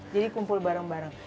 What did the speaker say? jadi kumpul bareng bareng